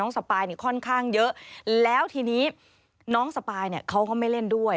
สปายค่อนข้างเยอะแล้วทีนี้น้องสปายเนี่ยเขาก็ไม่เล่นด้วย